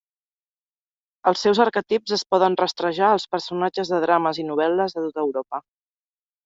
Els seus arquetips es poden rastrejar als personatges de drames i novel·les de tota Europa.